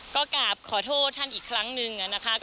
ก็กราบขอโทษท่านอีกครั้งหนึ่งนะคะ